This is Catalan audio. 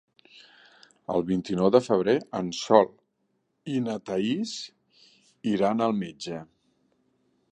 El vint-i-nou de febrer en Sol i na Thaís iran al metge.